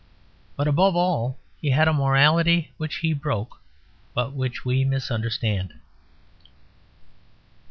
But, above all, he had a morality which he broke, but which we misunderstand.